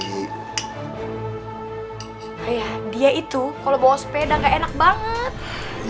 ayah dia itu kalo bawa sepeda gak enak banget